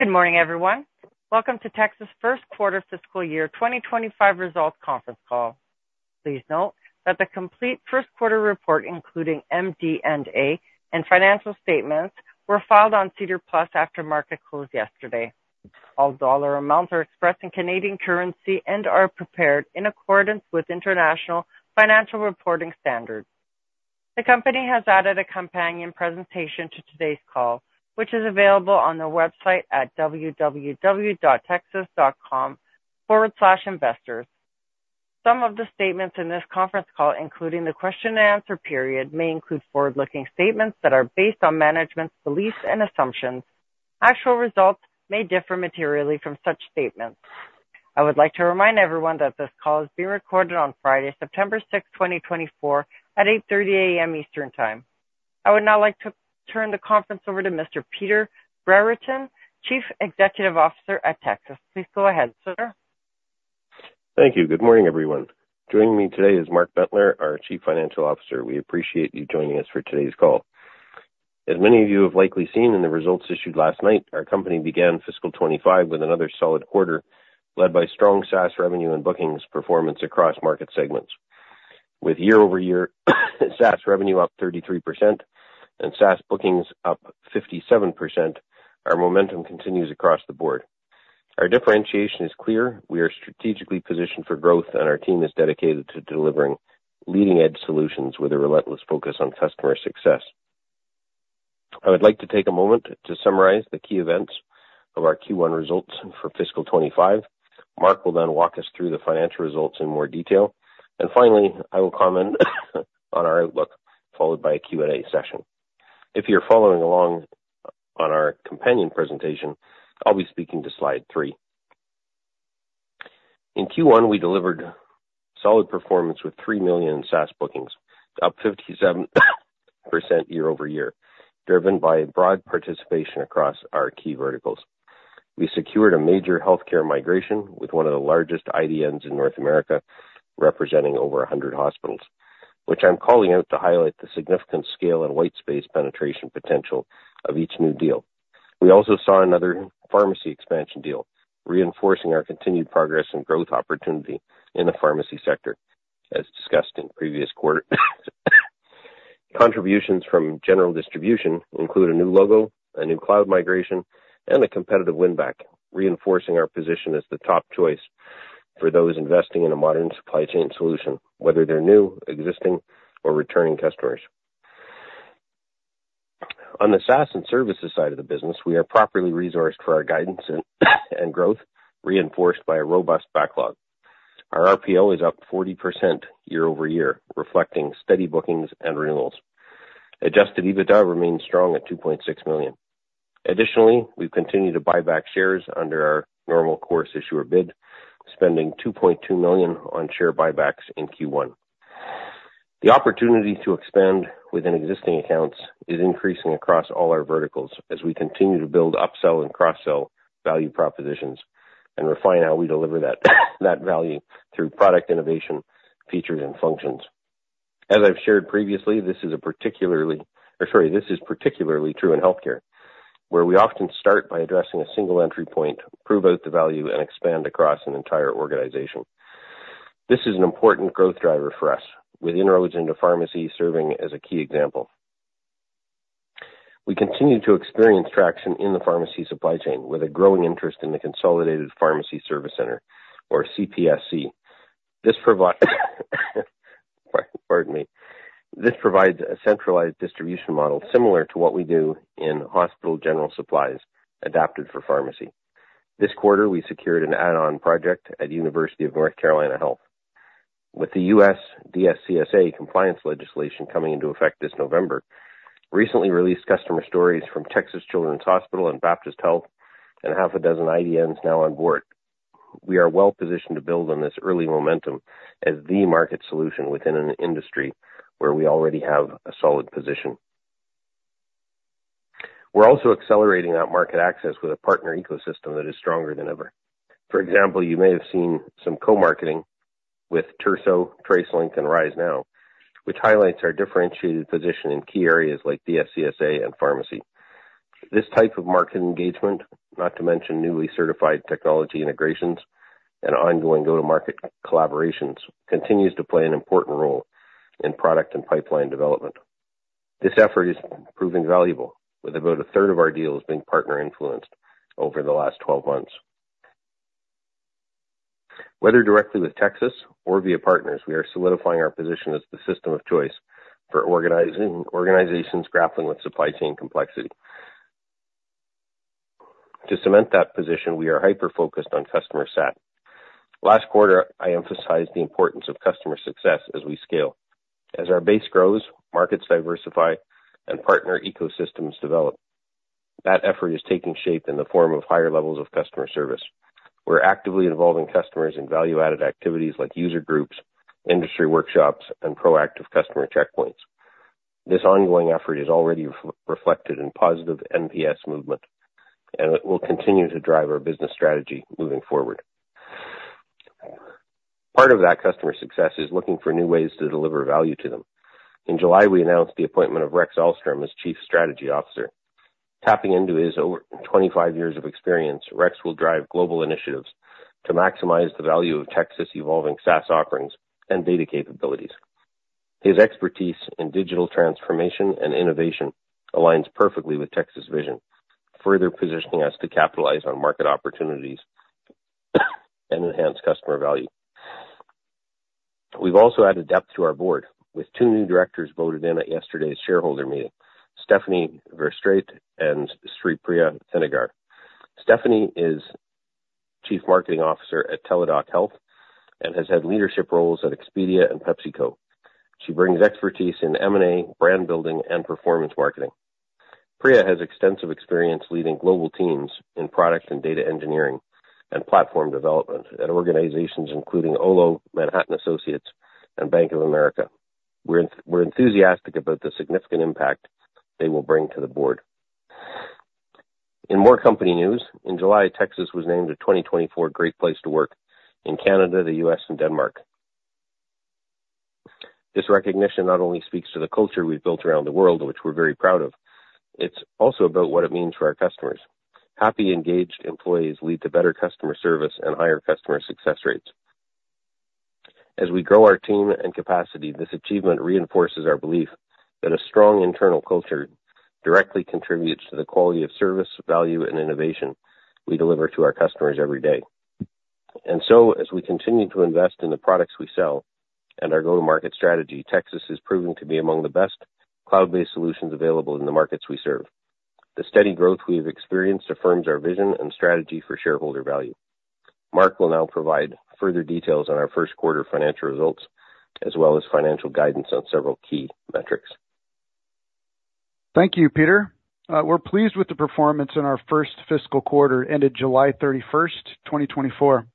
Good morning, everyone. Welcome to Tecsys first quarter fiscal year 2025 results conference call. Please note that the complete first quarter report, including MD&A and financial statements, were filed on SEDAR+ after market closed yesterday. All dollar amounts are expressed in Canadian currency and are prepared in accordance with International Financial Reporting Standards. The company has added a companion presentation to today's call, which is available on their website at www.tecsys.com/investors. Some of the statements in this conference call, including the question and answer period, may include forward-looking statements that are based on management's beliefs and assumptions. Actual results may differ materially from such statements. I would like to remind everyone that this call is being recorded on Friday, September 6th, 2024, at 8:30 A.M. Eastern Time. I would now like to turn the conference over to Mr. Peter Brereton, Chief Executive Officer at Tecsys. Please go ahead, sir. Thank you. Good morning, everyone. Joining me today is Mark Bentler, our Chief Financial Officer. We appreciate you joining us for today's call. As many of you have likely seen in the results issued last night, our company began fiscal 2025 with another solid quarter, led by strong SaaS revenue and bookings performance across market segments. With year-over-year SaaS revenue up 33% and SaaS bookings up 57%, our momentum continues across the board. Our differentiation is clear. We are strategically positioned for growth, and our team is dedicated to delivering leading-edge solutions with a relentless focus on customer success. I would like to take a moment to summarize the key events of our Q1 results for fiscal 2025. Mark will then walk us through the financial results in more detail, and finally, I will comment on our outlook, followed by a Q&A session. If you're following along on our companion presentation, I'll be speaking to slide three. In Q1, we delivered solid performance with 3 million in SaaS bookings, up 57% year-over-year, driven by broad participation across our key verticals. We secured a major healthcare migration with one of the largest IDNs in North America, representing over 100 hospitals, which I'm calling out to highlight the significant scale and white space penetration potential of each new deal. We also saw another pharmacy expansion deal, reinforcing our continued progress and growth opportunity in the pharmacy sector, as discussed in previous quarter. Contributions from general distribution include a new logo, a new cloud migration, and a competitive win back, reinforcing our position as the top choice for those investing in a modern supply chain solution, whether they're new, existing, or returning customers. On the SaaS and services side of the business, we are properly resourced for our guidance and growth, reinforced by a robust backlog. Our RPO is up 40% year-over-year, reflecting steady bookings and renewals. Adjusted EBITDA remains strong at 2.6 million. Additionally, we've continued to buy back shares under our normal course issuer bid, spending 2.2 million on share buybacks in Q1. The opportunity to expand within existing accounts is increasing across all our verticals as we continue to build upsell and cross-sell value propositions and refine how we deliver that value through product innovation, features, and functions. As I've shared previously, this is particularly true in healthcare, where we often start by addressing a single entry point, prove out the value and expand across an entire organization. This is an important growth driver for us, with inroads into pharmacy serving as a key example. We continue to experience traction in the pharmacy supply chain with a growing interest in the Consolidated Pharmacy Service Center, or CPSC. This provides a centralized distribution model similar to what we do in hospital general supplies, adapted for pharmacy. This quarter, we secured an add-on project at University of North Carolina Health. With the U.S. DSCSA compliance legislation coming into effect this November, recently released customer stories from Texas Children's Hospital and Baptist Health, and half a dozen IDNs now on board, we are well positioned to build on this early momentum as the market solution within an industry where we already have a solid position. We're also accelerating our market access with a partner ecosystem that is stronger than ever. For example, you may have seen some co-marketing with Terso, TraceLink, and RiseNow, which highlights our differentiated position in key areas like DSCSA and pharmacy. This type of market engagement, not to mention newly certified technology integrations and ongoing go-to-market collaborations, continues to play an important role in product and pipeline development. This effort is proving valuable, with about a third of our deals being partner influenced over the last 12 months. Whether directly with Tecsys or via partners, we are solidifying our position as the system of choice for organizing organizations grappling with supply chain complexity. To cement that position, we are hyper-focused on customer sat. Last quarter, I emphasized the importance of customer success as we scale. As our base grows, markets diversify and partner ecosystems develop. That effort is taking shape in the form of higher levels of customer service. We're actively involving customers in value-added activities like user groups, industry workshops, and proactive customer checkpoints. This ongoing effort is already reflected in positive NPS movement, and it will continue to drive our business strategy moving forward. Part of that customer success is looking for new ways to deliver value to them. In July, we announced the appointment of Rex Ahlstrom as Chief Strategy Officer. Tapping into his over 25 years of experience, Rex will drive global initiatives to maximize the value of Tecsys evolving SaaS offerings and data capabilities. His expertise in digital transformation and innovation aligns perfectly with Tecsys' vision, further positioning us to capitalize on market opportunities and enhance customer value. We've also added depth to our board, with two new directors voted in at yesterday's shareholder meeting, Stephany Verstraete and Sripriya Thinagar. Stephany is Chief Marketing Officer at Teladoc Health and has had leadership roles at Expedia and PepsiCo. She brings expertise in M&A, brand building, and performance marketing. Priya has extensive experience leading global teams in product and data engineering and platform development at organizations including Olo, Manhattan Associates, and Bank of America. We're enthusiastic about the significant impact they will bring to the board. In more company news, in July, Tecsys was named a 2024 Great Place to Work in Canada, the U.S., and Denmark. This recognition not only speaks to the culture we've built around the world, which we're very proud of, it's also about what it means for our customers. Happy, engaged employees lead to better customer service and higher customer success rates. As we grow our team and capacity, this achievement reinforces our belief that a strong internal culture directly contributes to the quality of service, value, and innovation we deliver to our customers every day. And so, as we continue to invest in the products we sell and our go-to-market strategy, Tecsys is proven to be among the best cloud-based solutions available in the markets we serve. The steady growth we have experienced affirms our vision and strategy for shareholder value. Mark will now provide further details on our first quarter financial results, as well as financial guidance on several key metrics. Thank you, Peter. We're pleased with the performance in our first fiscal quarter, ended July 31st, 2024.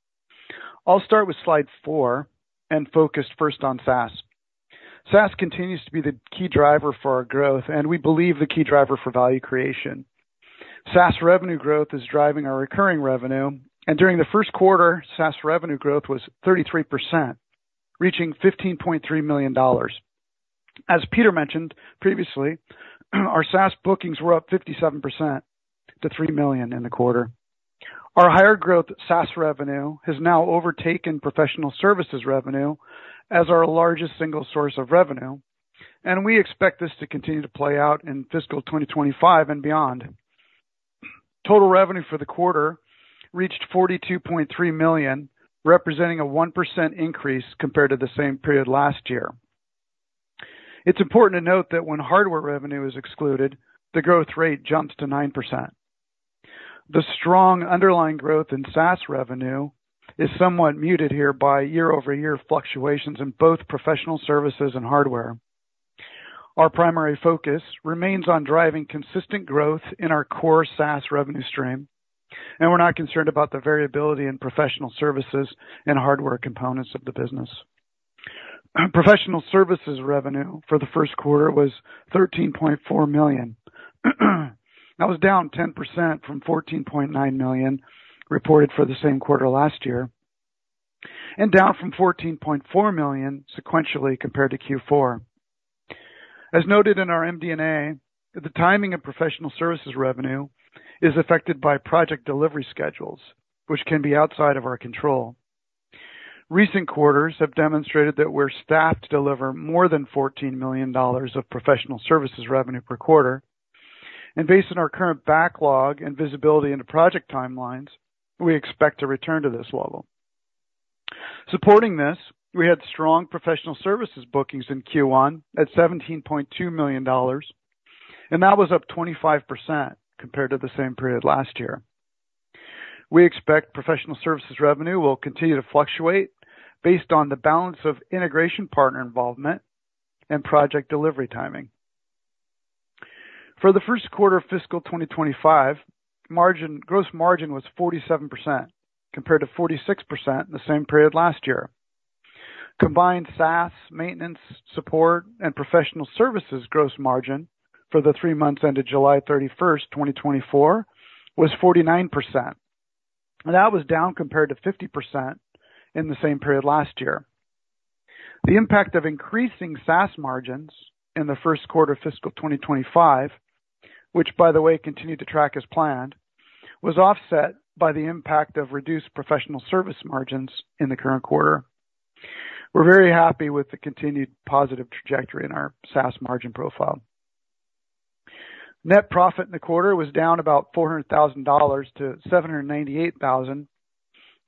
I'll start with slide four and focus first on SaaS. SaaS continues to be the key driver for our growth, and we believe the key driver for value creation. SaaS revenue growth is driving our recurring revenue, and during the first quarter, SaaS revenue growth was 33%, reaching 15.3 million dollars. As Peter mentioned previously, our SaaS bookings were up 57% to 3 million in the quarter. Our higher growth SaaS revenue has now overtaken professional services revenue as our largest single source of revenue, and we expect this to continue to play out in fiscal 2025 and beyond. Total revenue for the quarter reached 42.3 million, representing a 1% increase compared to the same period last year. It's important to note that when hardware revenue is excluded, the growth rate jumps to 9%. The strong underlying growth in SaaS revenue is somewhat muted here by year-over-year fluctuations in both professional services and hardware. Our primary focus remains on driving consistent growth in our core SaaS revenue stream, and we're not concerned about the variability in professional services and hardware components of the business. Professional services revenue for the first quarter was 13.4 million. That was down 10% from 14.9 million reported for the same quarter last year, and down from 14.4 million sequentially compared to Q4. As noted in our MD&A, the timing of professional services revenue is affected by project delivery schedules, which can be outside of our control. Recent quarters have demonstrated that we're staffed to deliver more than 14 million dollars of professional services revenue per quarter, and based on our current backlog and visibility into project timelines, we expect to return to this level. Supporting this, we had strong professional services bookings in Q1 at 17.2 million dollars, and that was up 25% compared to the same period last year. We expect professional services revenue will continue to fluctuate based on the balance of integration, partner involvement, and project delivery timing. For the first quarter of fiscal 2025, margin, gross margin was 47%, compared to 46% in the same period last year. Combined SaaS, maintenance, support, and professional services gross margin for the three months ended July 31st, 2024, was 49%. That was down compared to 50% in the same period last year. The impact of increasing SaaS margins in the first quarter of fiscal 2025, which, by the way, continued to track as planned, was offset by the impact of reduced professional service margins in the current quarter. We're very happy with the continued positive trajectory in our SaaS margin profile. Net profit in the quarter was down about 400,000 dollars to 798,000,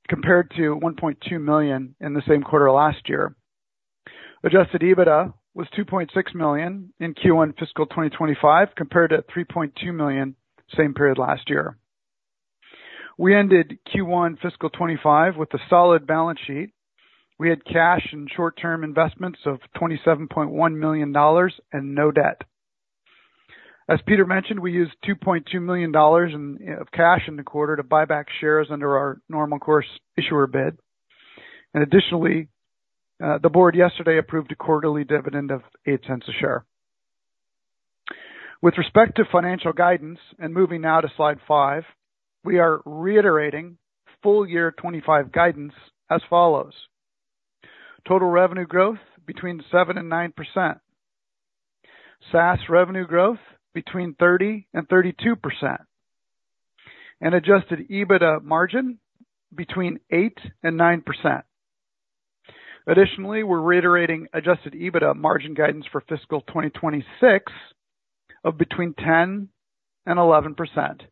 compared to 1.2 million in the same quarter last year. Adjusted EBITDA was 2.6 million in Q1 fiscal 2025, compared to 3.2 million same period last year. We ended Q1 fiscal 2025 with a solid balance sheet. We had cash and short-term investments of 27.1 million dollars and no debt. As Peter mentioned, we used 2.2 million dollars of cash in the quarter to buy back shares under our normal course issuer bid. Additionally, the board yesterday approved a quarterly dividend of 0.08 a share. With respect to financial guidance, and moving now to slide five, we are reiterating full-year 2025 guidance as follows: total revenue growth between 7% and 9%, SaaS revenue growth between 30% and 32%, and adjusted EBITDA margin between 8% and 9%. Additionally, we're reiterating adjusted EBITDA margin guidance for fiscal 2026 of between 10% and 11%.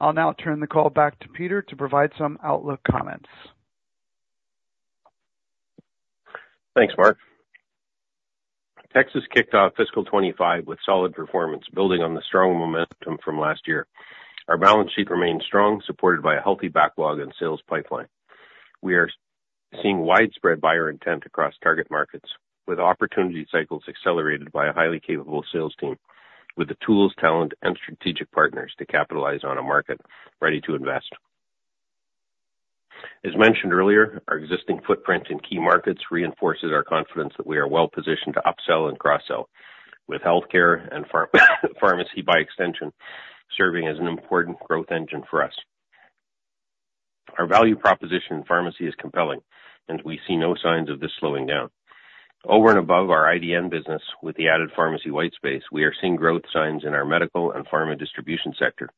I'll now turn the call back to Peter to provide some outlook comments. Thanks, Mark. Tecsys kicked off fiscal 2025 with solid performance, building on the strong momentum from last year. Our balance sheet remains strong, supported by a healthy backlog and sales pipeline. We are seeing widespread buyer intent across target markets, with opportunity cycles accelerated by a highly capable sales team, with the tools, talent, and strategic partners to capitalize on a market ready to invest. As mentioned earlier, our existing footprint in key markets reinforces our confidence that we are well-positioned to upsell and cross-sell, with healthcare and pharma, pharmacy by extension, serving as an important growth engine for us. Our value proposition in pharmacy is compelling, and we see no signs of this slowing down. Over and above our IDN business, with the added pharmacy white space, we are seeing growth signs in our medical and pharma distribution sector,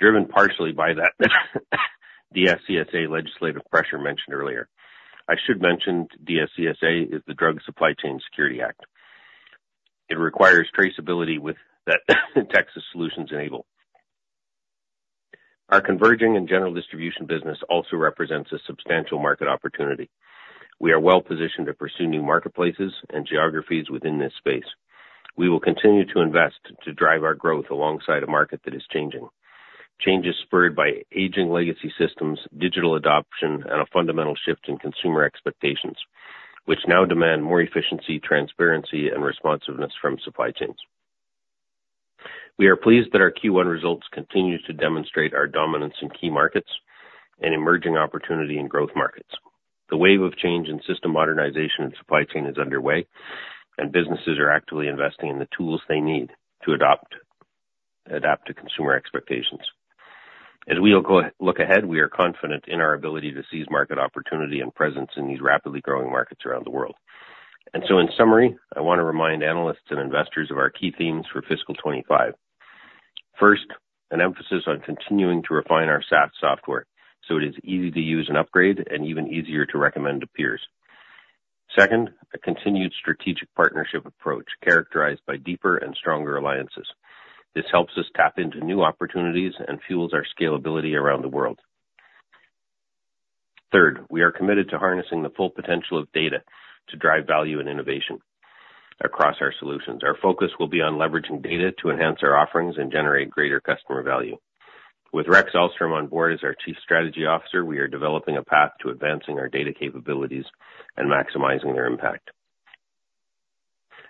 driven partially by that, DSCSA legislative pressure mentioned earlier. I should mention DSCSA is the Drug Supply Chain Security Act. It requires traceability with that, Tecsys Solutions enable. Our converging and general distribution business also represents a substantial market opportunity. We are well positioned to pursue new marketplaces and geographies within this space. We will continue to invest to drive our growth alongside a market that is changing. Change is spurred by aging legacy systems, digital adoption, and a fundamental shift in consumer expectations, which now demand more efficiency, transparency, and responsiveness from supply chains. We are pleased that our Q1 results continues to demonstrate our dominance in key markets and emerging opportunity in growth markets. The wave of change in system modernization and supply chain is underway, and businesses are actively investing in the tools they need to adopt, adapt to consumer expectations. As we look ahead, we are confident in our ability to seize market opportunity and presence in these rapidly growing markets around the world. And so, in summary, I want to remind analysts and investors of our key themes for fiscal 2025. First, an emphasis on continuing to refine our SaaS software, so it is easy to use and upgrade and even easier to recommend to peers. Second, a continued strategic partnership approach characterized by deeper and stronger alliances. This helps us tap into new opportunities and fuels our scalability around the world. Third, we are committed to harnessing the full potential of data to drive value and innovation across our solutions. Our focus will be on leveraging data to enhance our offerings and generate greater customer value. With Rex Ahlstrom on board as our Chief Strategy Officer, we are developing a path to advancing our data capabilities and maximizing their impact.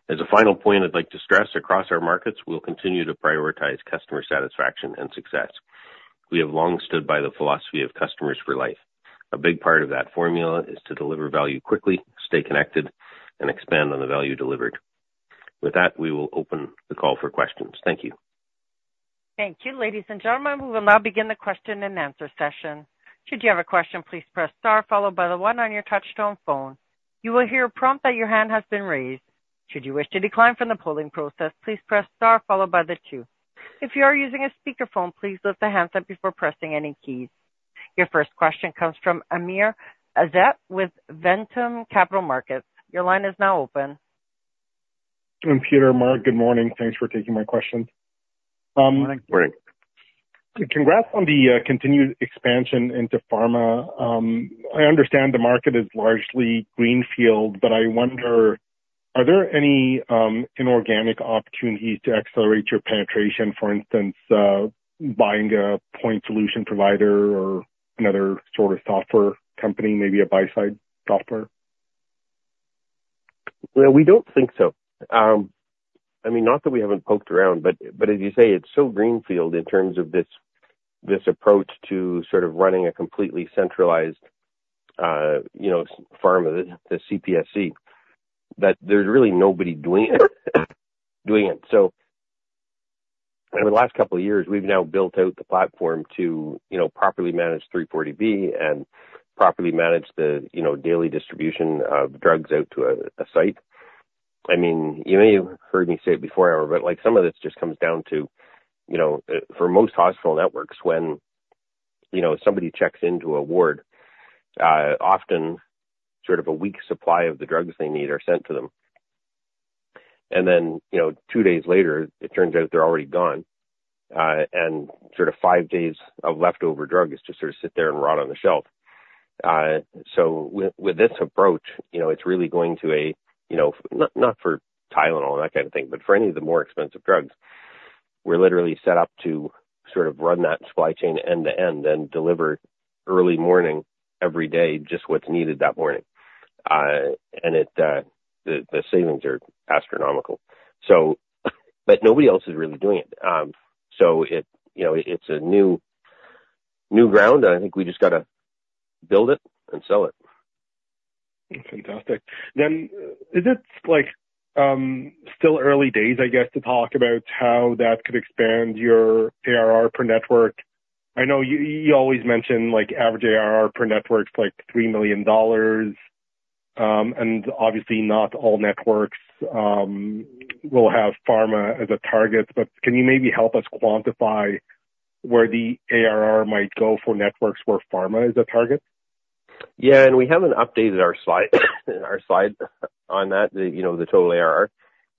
As a final point, I'd like to stress across our markets, we'll continue to prioritize customer satisfaction and success. We have long stood by the philosophy of customers for life. A big part of that formula is to deliver value quickly, stay connected, and expand on the value delivered. With that, we will open the call for questions. Thank you. Thank you. Ladies and gentlemen, we will now begin the question and answer session. Should you have a question, please press star followed by the one on your touchtone phone. You will hear a prompt that your hand has been raised. Should you wish to decline from the polling process, please press star followed by the two. If you are using a speakerphone, please lift the handset before pressing any keys. Your first question comes from Amr Ezzat, with Ventum Capital Markets. Your line is now open. Peter, Mark, good morning. Thanks for taking my questions. Good morning. Great. Congrats on the continued expansion into pharma. I understand the market is largely greenfield, but I wonder, are there any inorganic opportunities to accelerate your penetration, for instance, buying a point solution provider or another sort of software company, maybe a buy-side software? We don't think so. I mean, not that we haven't poked around, but as you say, it's so greenfield in terms of this approach to sort of running a completely centralized, you know, pharma, the CPSC, that there's really nobody doing it. Over the last couple of years, we've now built out the platform to, you know, properly manage 340B and properly manage the, you know, daily distribution of drugs out to a site. I mean, you may have heard me say it before, but like, some of this just comes down to, you know, for most hospital networks, when you know, somebody checks into a ward, often sort of a week's supply of the drugs they need are sent to them. And then, you know, two days later, it turns out they're already gone, and sort of five days of leftover drugs just sort of sit there and rot on the shelf. So with this approach, you know, it's really going to, you know, not for Tylenol and that kind of thing, but for any of the more expensive drugs, we're literally set up to sort of run that supply chain end-to-end and deliver early morning, every day, just what's needed that morning. And the savings are astronomical. So, but nobody else is really doing it. So it, you know, it's new ground, and I think we just got to build it and sell it. Fantastic. Then is it like still early days, I guess, to talk about how that could expand your ARR per network? I know you always mention like average ARR per network's like 3 million dollars. And obviously not all networks will have pharma as a target, but can you maybe help us quantify where the ARR might go for networks where pharma is a target? Yeah, and we haven't updated our slide on that, you know, the total ARR.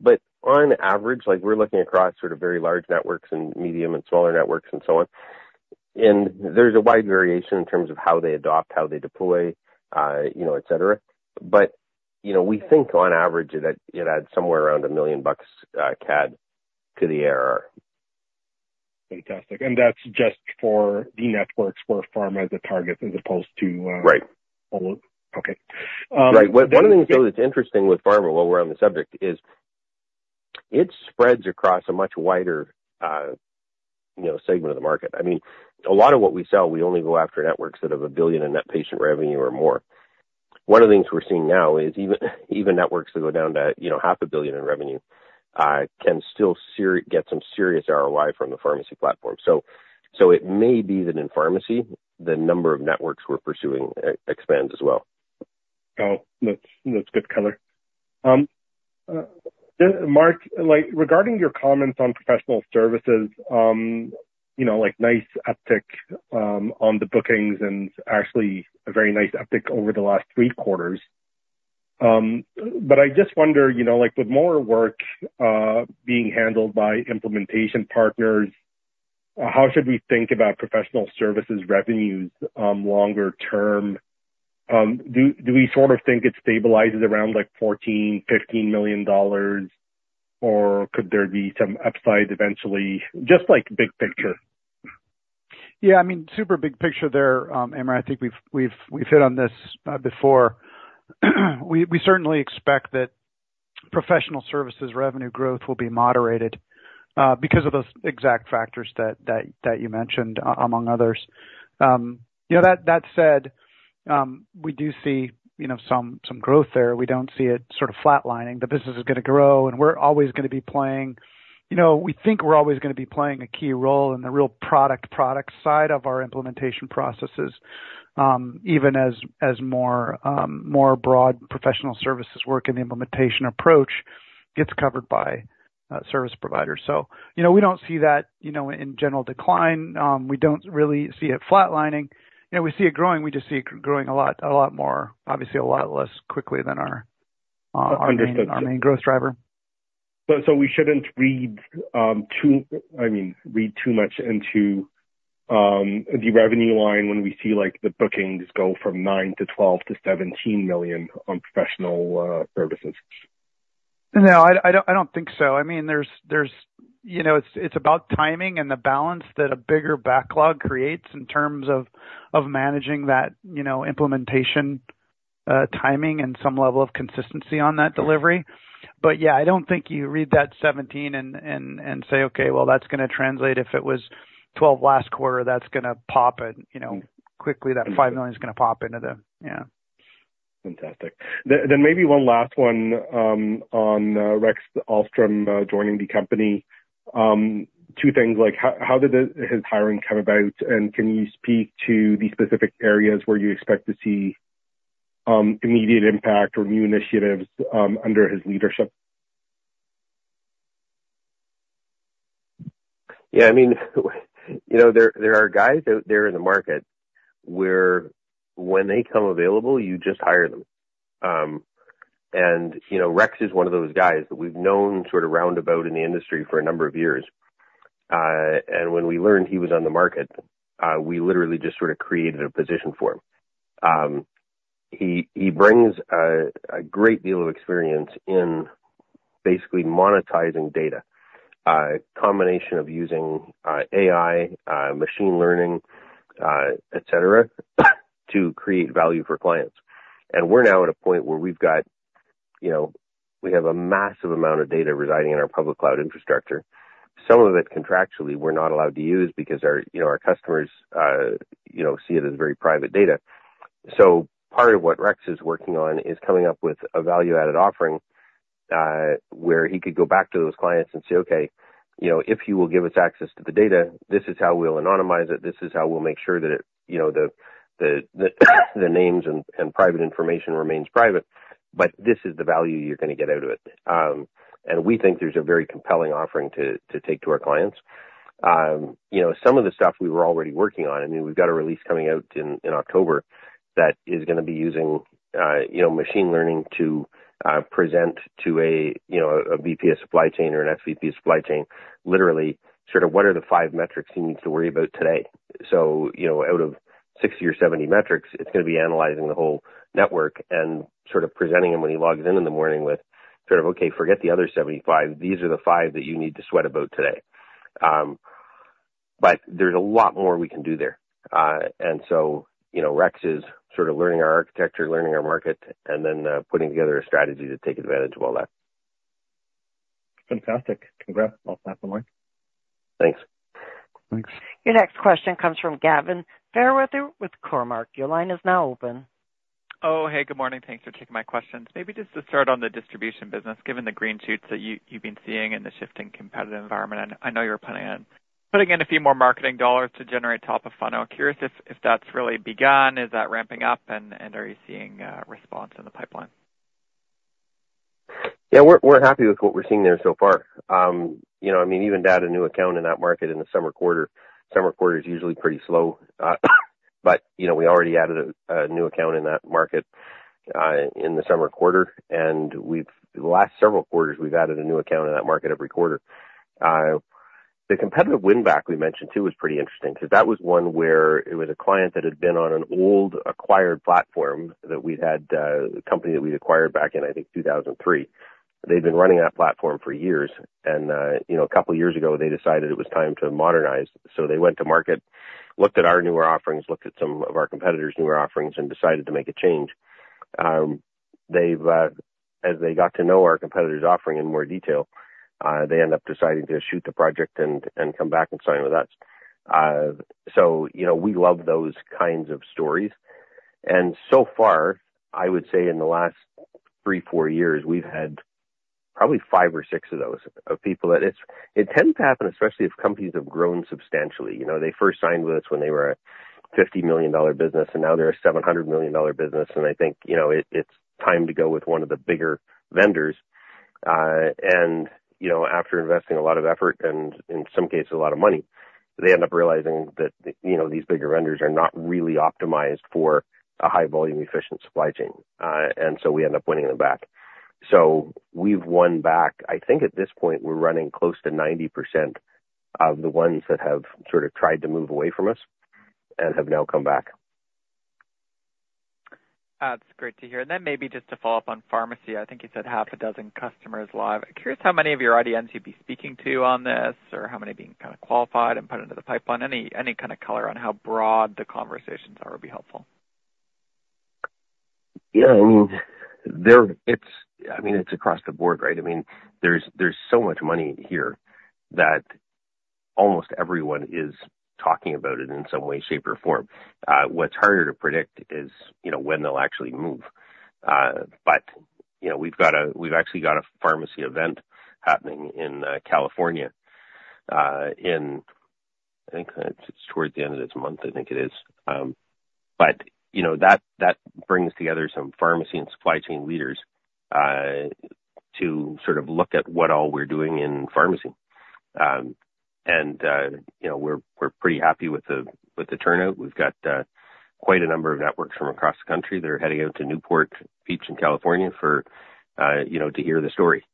But on average, like we're looking across sort of very large networks and medium and smaller networks and so on, and there's a wide variation in terms of how they adopt, how they deploy, you know, et cetera. But, you know, we think on average that it adds somewhere around 1 million bucks to the ARR. Fantastic. And that's just for the networks where pharma is a target as opposed to... Right. Okay. Um- Right. One of the things, though, that's interesting with pharma, while we're on the subject, is it spreads across a much wider, you know, segment of the market. I mean, a lot of what we sell, we only go after networks that have $1 billion in net patient revenue or more. One of the things we're seeing now is even networks that go down to, you know, $500 million in revenue, can still get some serious ROI from the pharmacy platform, so it may be that in pharmacy, the number of networks we're pursuing expands as well. Oh, that's good color. Then Mark, like, regarding your comments on professional services, you know, like, nice uptick on the bookings and actually a very nice uptick over the last three quarters. But I just wonder, you know, like with more work being handled by implementation partners, how should we think about professional services revenues longer term? Do we sort of think it stabilizes around, like, 14 million-15 million dollars, or could there be some upside eventually? Just like, big picture. Yeah, I mean, super big picture there. Amr, I think we've hit on this before. We certainly expect that professional services revenue growth will be moderated because of those exact factors that you mentioned, among others. You know, that said, we do see, you know, some growth there. We don't see it sort of flatlining. The business is gonna grow, and we're always gonna be playing... You know, we think we're always gonna be playing a key role in the real product side of our implementation processes, even as more broad professional services work in the implementation approach gets covered by service providers. So, you know, we don't see that, you know, in general decline. We don't really see it flatlining. You know, we see it growing. We just see it growing a lot, a lot more, obviously a lot less quickly than our... Understood. Our main growth driver. But so we shouldn't read too, I mean, read too much into the revenue line when we see, like, the bookings go from 9 million to 12 million to 17 million on professional services? No, I don't think so. I mean, there's, you know. It's about timing and the balance that a bigger backlog creates in terms of of managing that, you know, implementation timing and some level of consistency on that delivery. But yeah, I don't think you read that 17 million and say, "Okay, well, that's gonna translate. If it was 12 million last quarter, that's gonna pop it, you know, quickly, that 5 million is gonna pop into the..." Yeah. Fantastic. Then maybe one last one on Rex Ahlstrom joining the company. Two things, like, how did his hiring come about? And can you speak to the specific areas where you expect to see immediate impact or new initiatives under his leadership? Yeah, I mean, you know, there are guys out there in the market, where when they come available, you just hire them. And, you know, Rex is one of those guys that we've known sort of roundabout in the industry for a number of years. And when we learned he was on the market, we literally just sort of created a position for him. He brings a great deal of experience in basically monetizing data, a combination of using AI, machine learning, et cetera, to create value for clients. And we're now at a point where we've got, you know, we have a massive amount of data residing in our public cloud infrastructure. Some of it contractually, we're not allowed to use because our, you know, our customers, you know, see it as very private data. So part of what Rex is working on is coming up with a value-added offering, where he could go back to those clients and say, "Okay, you know, if you will give us access to the data, this is how we'll anonymize it. This is how we'll make sure that it, you know, the names and private information remains private, but this is the value you're gonna get out of it." And we think there's a very compelling offering to take to our clients. You know, some of the stuff we were already working on. I mean, we've got a release coming out in October that is gonna be using machine learning to present to a VP of supply chain or an SVP of supply chain, literally, sort of what are the five metrics he needs to worry about today. So, you know, out of 60 or 70 metrics, it's gonna be analyzing the whole network and sort of presenting him when he logs in in the morning with sort of, "Okay, forget the other 75. These are the five that you need to sweat about today." But there's a lot more we can do there. And so, you know, Rex is sort of learning our architecture, learning our market, and then putting together a strategy to take advantage of all that. Fantastic! Congrats. I'll pass on the line. Thanks. Thanks. Your next question comes from Gavin Fairweather with Cormark. Your line is now open. Oh, hey, good morning. Thanks for taking my questions. Maybe just to start on the distribution business, given the green shoots that you, you've been seeing in the shifting competitive environment, and I know you're planning on putting in a few more marketing dollars to generate top of funnel. Curious if, if that's really begun, is that ramping up, and, and are you seeing response in the pipeline? Yeah, we're happy with what we're seeing there so far. You know, I mean, even to add a new account in that market in the summer quarter, summer quarter is usually pretty slow. But, you know, we already added a new account in that market in the summer quarter, and the last several quarters, we've added a new account in that market every quarter. The competitive win back, we mentioned too, was pretty interesting because that was one where it was a client that had been on an old acquired platform that we'd had, a company that we'd acquired back in, I think, 2003. They'd been running that platform for years. And, you know, a couple of years ago, they decided it was time to modernize. So they went to market, looked at our newer offerings, looked at some of our competitors' newer offerings, and decided to make a change. They've, as they got to know our competitors' offering in more detail, they end up deciding to shoot the project and come back and sign with us. So, you know, we love those kinds of stories. And so far, I would say in the last 3, 4 years, we've had probably 5 or 6 of those, of people that it tends to happen, especially if companies have grown substantially. You know, they first signed with us when they were a 50-million dollar business, and now they're a 700-million dollar business, and they think, you know, it, it's time to go with one of the bigger vendors. And, you know, after investing a lot of effort and in some cases, a lot of money, they end up realizing that, you know, these bigger vendors are not really optimized for a high volume, efficient supply chain. And so we end up winning them back. So we've won back. I think at this point, we're running close to 90% of the ones that have sort of tried to move away from us and have now come back. That's great to hear. And then maybe just to follow up on pharmacy, I think you said half a dozen customers live. Curious, how many of your audience you'd be speaking to on this, or how many are being kind of qualified and put into the pipeline? Any kind of color on how broad the conversations are, would be helpful? Yeah, I mean, there, it's, I mean, it's across the board, right? I mean, there's, there's so much money here that almost everyone is talking about it in some way, shape, or form. What's harder to predict is, you know, when they'll actually move. But, you know, we've actually got a pharmacy event happening in California, in, I think it's towards the end of this month, I think it is. But, you know, that, that brings together some pharmacy and supply chain leaders, to sort of look at what all we're doing in pharmacy. And, you know, we're, we're pretty happy with the, with the turnout. We've got, quite a number of networks from across the country that are heading out to Newport Beach in California for, you know, to hear the story.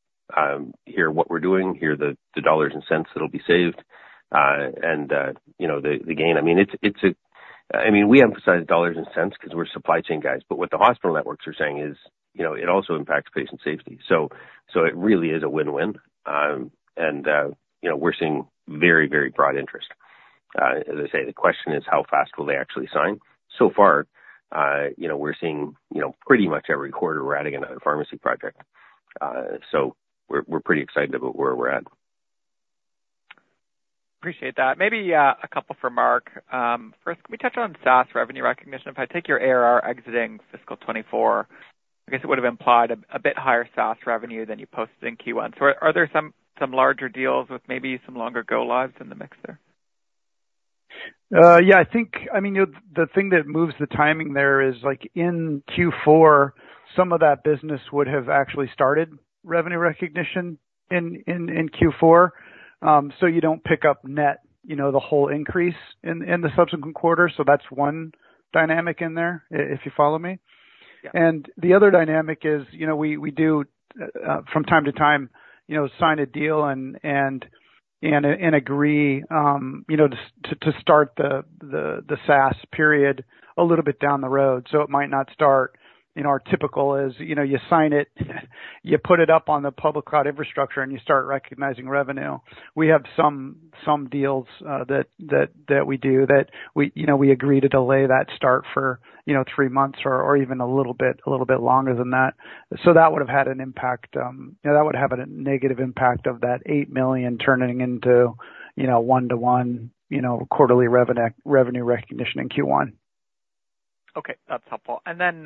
Hear what we're doing, hear the, the dollars and cents that will be saved, and, you know, the, the gain. I mean, it's, it's a- I mean, we emphasize dollars and cents because we're supply chain guys, but what the hospital networks are saying is, you know, it also impacts patient safety. So, so it really is a win-win. And, you know, we're seeing very, very broad interest. As I say, the question is: How fast will they actually sign? So far, you know, we're seeing, you know, pretty much every quarter, we're adding another pharmacy project. So we're, we're pretty excited about where we're at. Appreciate that. Maybe a couple for Mark. First, can we touch on SaaS revenue recognition? If I take your ARR exiting fiscal 2024, I guess it would have implied a bit higher SaaS revenue than you posted in Q1. So are there some larger deals with maybe some longer go lives in the mix there? Yeah, I think, I mean, the thing that moves the timing there is, like, in Q4, some of that business would have actually started revenue recognition in Q4. So you don't pick up net, you know, the whole increase in the subsequent quarter. So that's one dynamic in there, if you follow me. Yeah. The other dynamic is, you know, we do from time to time, you know, sign a deal and agree, you know, to start the SaaS period a little bit down the road, so it might not start. You know, our typical is, you know, you sign it, you put it up on the public cloud infrastructure, and you start recognizing revenue. We have some deals that we do that we, you know, we agree to delay that start for, you know, three months or even a little bit longer than that. So that would have had an impact that would have a negative impact of that eight million turning into, you know, one to one, you know, quarterly revenue recognition in Q1. Okay, that's helpful. And then,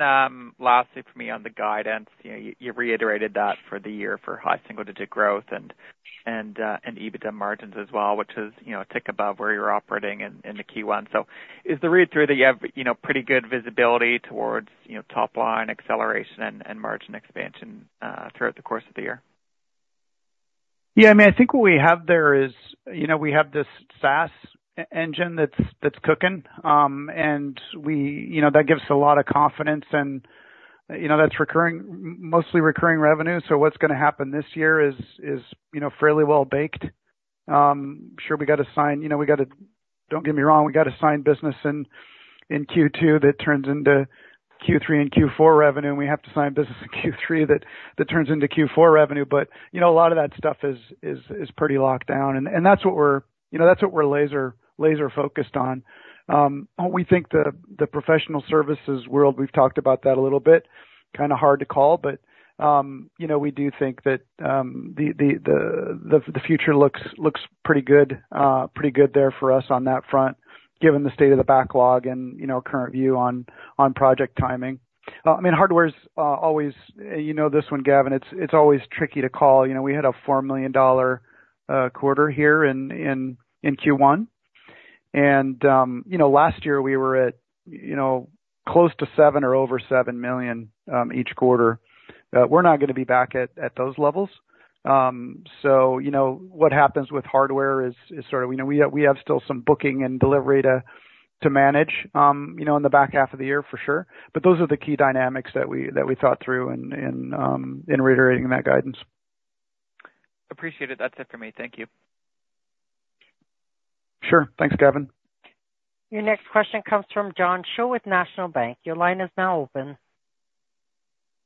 lastly for me on the guidance, you know, you reiterated that for the year for high single digit growth and EBITDA margins as well, which is, you know, a tick above where you're operating in the Q1. So is the read through that you have, you know, pretty good visibility towards, you know, top line acceleration and margin expansion throughout the course of the year? Yeah, I mean, I think what we have there is, you know, we have this SaaS engine that's cooking. And you know, that gives us a lot of confidence and, you know, that's recurring, mostly recurring revenue. So what's gonna happen this year is, you know, fairly well baked. Sure, we got to sign business in Q2 that turns into Q3 and Q4 revenue, and we have to sign business in Q3 that turns into Q4 revenue. But, you know, a lot of that stuff is pretty locked down, and that's what we're, you know, that's what we're laser-focused on. We think the professional services world, we've talked about that a little bit, kind of hard to call, but you know, we do think that the future looks pretty good, pretty good there for us on that front, given the state of the backlog and you know, current view on project timing. I mean, hardware's always, you know this one, Gavin, it's always tricky to call. You know, we had a 4 million dollar quarter here in Q1. And you know, last year we were at you know, close to 7 million or over 7 million each quarter. We're not gonna be back at those levels. So you know, what happens with hardware is sort of, we know we have still some booking and delivery to manage, you know, in the back half of the year for sure. But those are the key dynamics that we thought through in reiterating that guidance. Appreciate it. That's it for me. Thank you. Sure. Thanks, Gavin. Your next question comes from John Shao with National Bank. Your line is now open.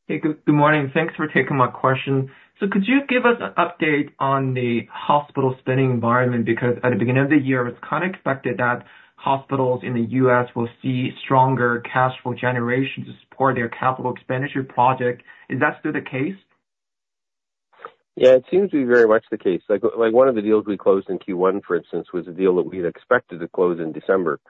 Hey, good, good morning. Thanks for taking my question. So could you give us an update on the hospital spending environment? Because at the beginning of the year, it was kind of expected that hospitals in the U.S. will see stronger cash flow generation to support their capital expenditure project. Is that still the case? Yeah, it seems to be very much the case. Like one of the deals we closed in Q1, for instance, was a deal that we had expected to close in December.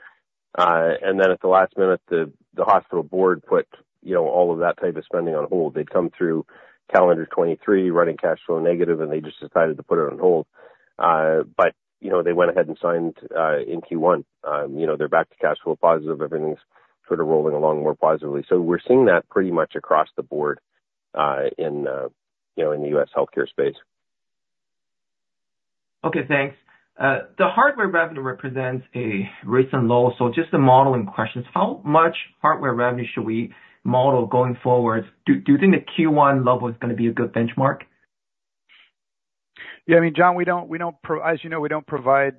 And then at the last minute, the hospital board put, you know, all of that type of spending on hold. They'd come through calendar 2023, running cash flow negative, and they just decided to put it on hold. But, you know, they went ahead and signed in Q1. You know, they're back to cash flow positive. Everything's sort of rolling along more positively. So we're seeing that pretty much across the board in the U.S. healthcare space. Okay, thanks. The hardware revenue represents a recent low, so just a modeling questions, how much hardware revenue should we model going forward? Do you think the Q1 level is gonna be a good benchmark? Yeah, I mean, John, we don't, we don't as you know, we don't provide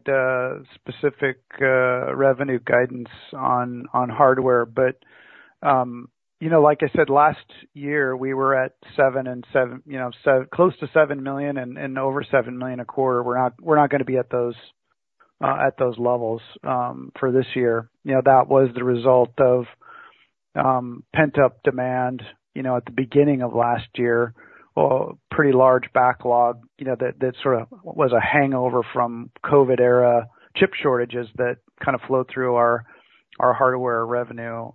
specific revenue guidance on hardware. But, you know, like I said, last year, we were at 7 million and 7 million, you know, close to 7 million and over 7 million a quarter. We're not, we're not gonna be at those levels for this year. You know, that was the result of pent-up demand, you know, at the beginning of last year. Well, pretty large backlog, you know, that sort of was a hangover from COVID era chip shortages that kind of flowed through our hardware revenue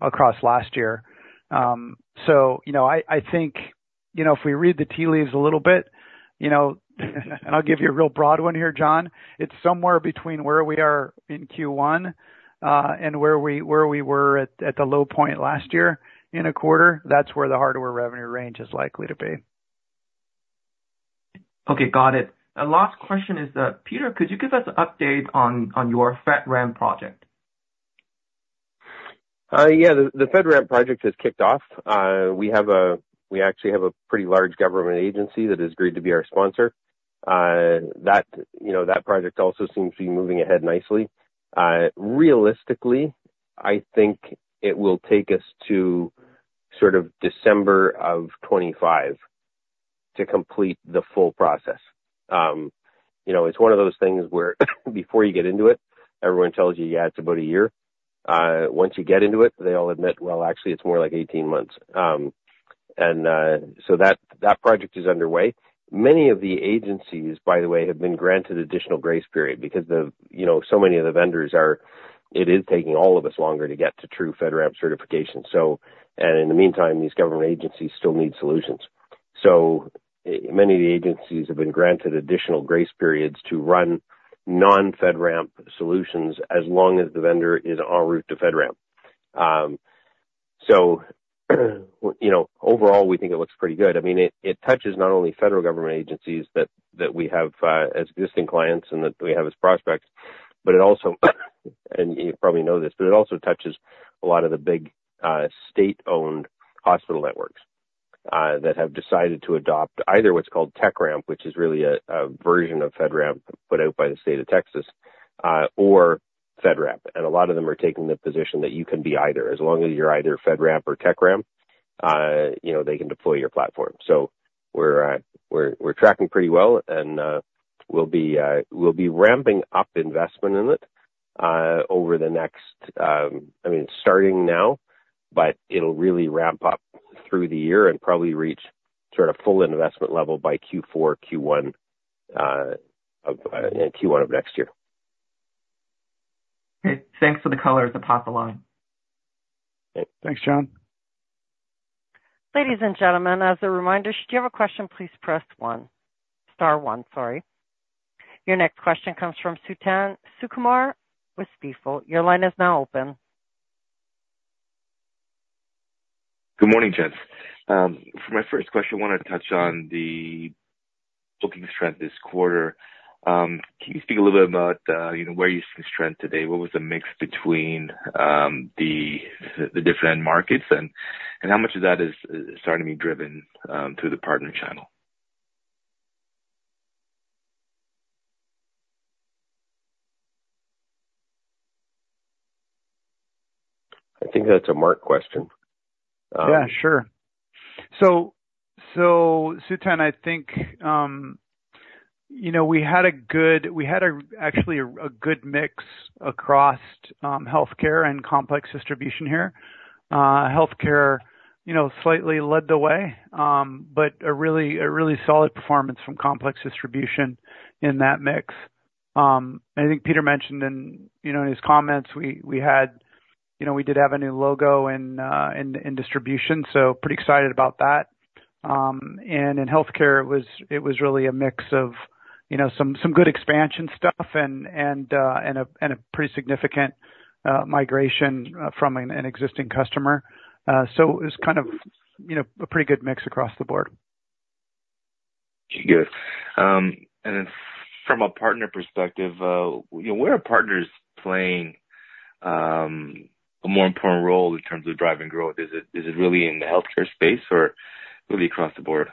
across last year. So you know, I think, you know, if we read the tea leaves a little bit, you know, and I'll give you a real broad one here, John, it's somewhere between where we are in Q1 and where we were at the low point last year in a quarter. That's where the hardware revenue range is likely to be. Okay, got it. And last question is, Peter, could you give us an update on your FedRAMP project? Yeah, the FedRAMP project has kicked off. We actually have a pretty large government agency that has agreed to be our sponsor. That, you know, that project also seems to be moving ahead nicely. Realistically, I think it will take us to sort of December of 2025 to complete the full process. You know, it's one of those things where before you get into it, everyone tells you, "Yeah, it's about a year." Once you get into it, they all admit, "Well, actually it's more like 18 months." And so that project is underway. Many of the agencies, by the way, have been granted additional grace period because, you know, so many of the vendors are... It is taking all of us longer to get to true FedRAMP certification. And in the meantime, these government agencies still need solutions. Many of the agencies have been granted additional grace periods to run non-FedRAMP solutions, as long as the vendor is en route to FedRAMP. You know, overall, we think it looks pretty good. I mean, it touches not only federal government agencies that we have as existing clients and that we have as prospects, but it also, and you probably know this, but it also touches a lot of the big state-owned hospital networks that have decided to adopt either what's called TX-RAMP, which is really a version of FedRAMP put out by the state of Texas, or FedRAMP. And a lot of them are taking the position that you can be either, as long as you're either FedRAMP or TX-RAMP, you know, they can deploy your platform. So we're tracking pretty well, and we'll be ramping up investment in it over the next. I mean, starting now, but it'll really ramp up through the year and probably reach sort of full investment level by Q4, Q1 of Q1 of next year. Okay, thanks for the color. I'll pass the line. Thanks, John. Ladies and gentlemen, as a reminder, should you have a question, please press one, star one, sorry. Your next question comes from Suthan Sukumar with Stifel. Your line is now open. Good morning, gents. For my first question, I wanted to touch on the booking strength this quarter. Can you speak a little bit about, you know, where you see strength today? What was the mix between the different end markets and how much of that is starting to be driven through the partner channel? I think that's a Mark question. Yeah, sure. So, Suthan, I think, you know, we had a good, actually, a good mix across, healthcare and complex distribution here. Healthcare, you know, slightly led the way, but a really solid performance from complex distribution in that mix. I think Peter mentioned in, you know, in his comments, we had, you know, we did have a new logo in distribution, so pretty excited about that. And in healthcare, it was really a mix of, you know, some good expansion stuff and a pretty significant migration from an existing customer. So it was kind of, you know, a pretty good mix across the board. Good. And then from a partner perspective, you know, where are partners playing a more important role in terms of driving growth? Is it really in the healthcare space or really across the board?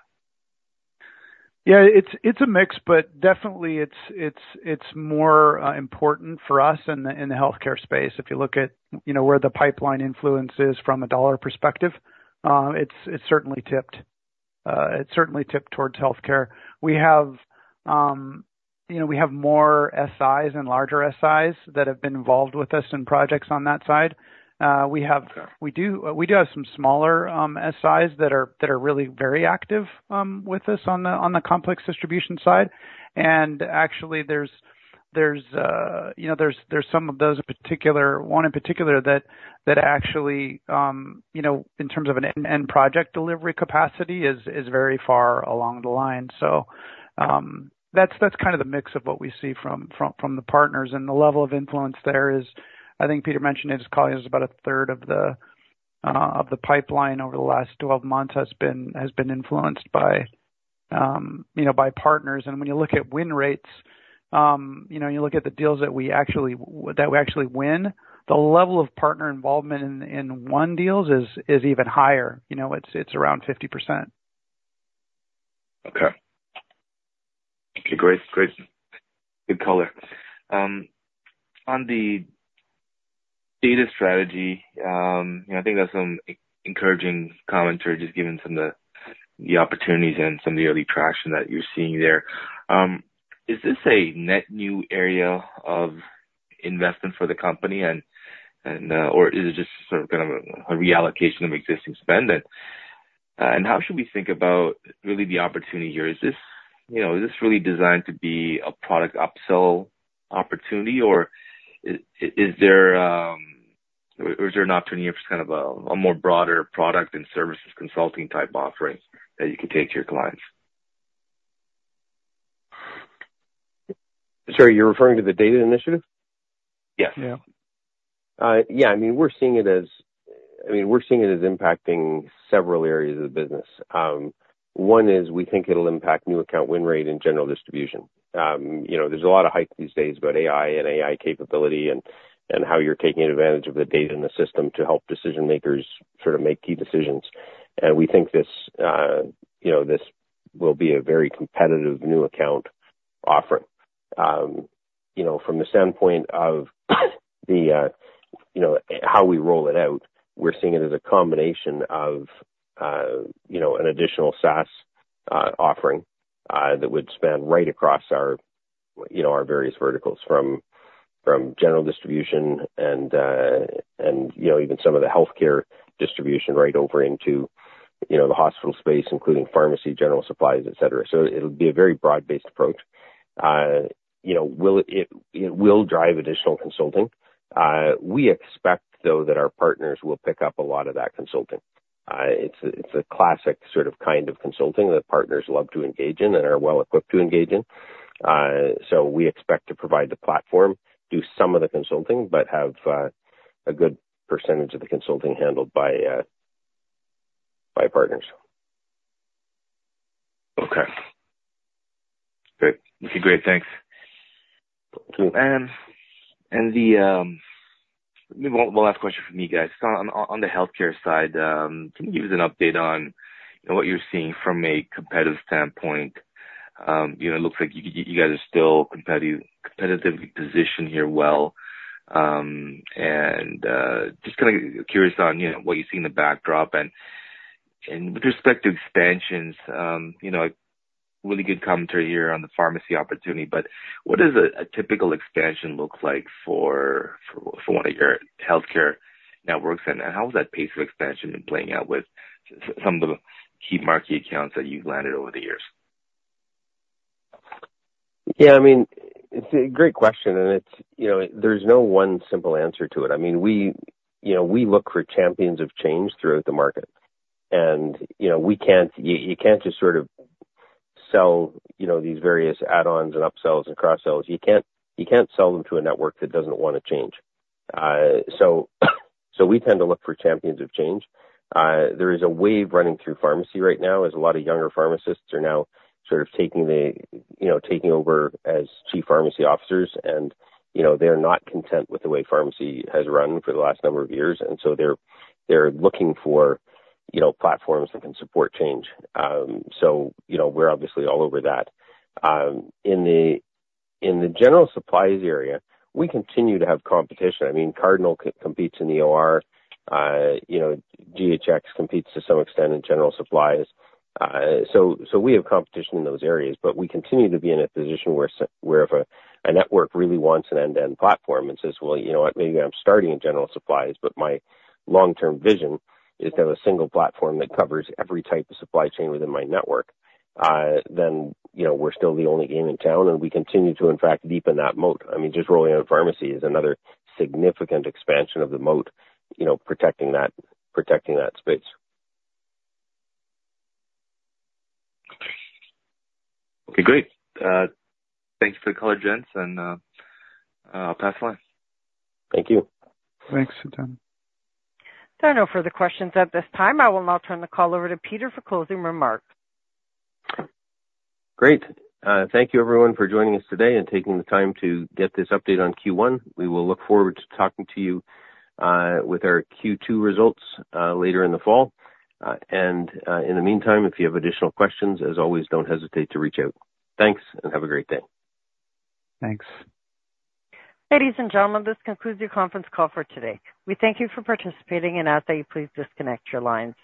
Yeah, it's a mix, but definitely it's more important for us in the healthcare space. If you look at, you know, where the pipeline influence is from a dollar perspective, it's certainly tipped. It's certainly tipped towards healthcare. We have, you know, we have more SIs and larger SIs that have been involved with us in projects on that side. We have- Okay. We do, we do have some smaller SIs that are really very active with us on the complex distribution side. And actually, there's some of those in particular, one in particular, that actually, you know, in terms of an end-to-end project delivery capacity, is very far along the line. So, that's kind of the mix of what we see from the partners, and the level of influence there is, I think Peter mentioned in his call, it was about 1/3 of the pipeline over the last 12 months has been influenced by, you know, by partners. When you look at win rates, you know, you look at the deals that we actually win, the level of partner involvement in won deals is even higher. You know, it's around 50%. Okay. Okay, great, great. Good color. On the data strategy, you know, I think that's some encouraging commentary, just given some of the opportunities and some of the early traction that you're seeing there. Is this a net new area of investment for the company, or is it just sort of, kind of a reallocation of existing spend? And how should we think about really the opportunity here? Is this, you know, is this really designed to be a product upsell opportunity, or is there an opportunity for just kind of a more broader product and services consulting type offerings that you can take to your clients? Sorry, you're referring to the data initiative? Yes. Yeah. Yeah. I mean, we're seeing it as impacting several areas of the business. One is we think it'll impact new account win rate and general distribution. You know, there's a lot of hype these days about AI and AI capability and how you're taking advantage of the data in the system to help decision makers sort of make key decisions. We think this, you know, this will be a very competitive new account offering. You know, from the standpoint of the, you know, how we roll it out, we're seeing it as a combination of, you know, an additional SaaS offering that would span right across our, you know, our various verticals from general distribution and, and, you know, even some of the healthcare distribution right over into, you know, the hospital space, including pharmacy, general supplies, et cetera. So it'll be a very broad-based approach. You know, will it, it will drive additional consulting. We expect, though, that our partners will pick up a lot of that consulting. It's a classic sort of, kind of consulting that partners love to engage in and are well equipped to engage in. So we expect to provide the platform, do some of the consulting, but have a good percentage of the consulting handled by partners. Okay. Great. Okay, great, thanks. Cool. And the one last question from me, guys. On the healthcare side, can you give us an update on, you know, what you're seeing from a competitive standpoint? You know, it looks like you guys are still competitively positioned here well. And just kind of curious on, you know, what you see in the backdrop and with respect to expansions, you know, really good commentary here on the pharmacy opportunity, but what does a typical expansion look like for one of your healthcare networks? And how is that pace of expansion been playing out with some of the key market accounts that you've landed over the years? Yeah, I mean, it's a great question, and it's, you know, there's no one simple answer to it. I mean, we, you know, we look for champions of change throughout the market, and, you know, we can't. You can't just sort of sell, you know, these various add-ons and upsells and cross-sells. You can't sell them to a network that doesn't want to change. So we tend to look for champions of change. There is a wave running through pharmacy right now, as a lot of younger pharmacists are now sort of taking the, you know, taking over as chief pharmacy officers, and, you know, they're not content with the way pharmacy has run for the last number of years, and so they're looking for, you know, platforms that can support change. So, you know, we're obviously all over that. In the general supplies area, we continue to have competition. I mean, Cardinal competes in the OR. You know, GHX competes to some extent in general supplies. We have competition in those areas, but we continue to be in a position where if a network really wants an end-to-end platform and says, "Well, you know what? Maybe I'm starting in general supplies, but my long-term vision is to have a single platform that covers every type of supply chain within my network." Then, you know, we're still the only game in town, and we continue to, in fact, deepen that moat. I mean, just rolling out a pharmacy is another significant expansion of the moat, you know, protecting that, protecting that space. Okay, great. Thank you for the color, gents, and I'll pass the line. Thank you. Thanks, Suthan. There are no further questions at this time. I will now turn the call over to Peter for closing remarks. Great. Thank you everyone for joining us today and taking the time to get this update on Q1. We will look forward to talking to you with our Q2 results later in the fall, and in the meantime, if you have additional questions, as always, don't hesitate to reach out. Thanks, and have a great day. Thanks. Ladies and gentlemen, this concludes your conference call for today. We thank you for participating and ask that you please disconnect your lines.